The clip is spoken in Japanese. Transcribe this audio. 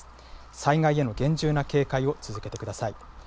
災害への厳重な警戒を続けてください。